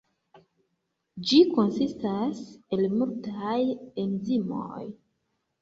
Ĝi konsistas el multaj enzimoj.